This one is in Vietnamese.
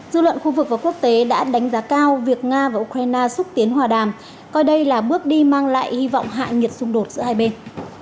dư luận khu vực và quốc tế đã đánh giá cao việc nga và ukraine xúc tiến hòa đàm coi đây là bước đi mang lại hy vọng hạ nhiệt xung đột giữa hai bên